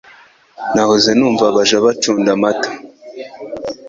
Nahoze numva abaja bacunda amata